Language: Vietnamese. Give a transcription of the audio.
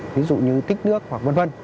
ví dụ như tích nước hoặc v v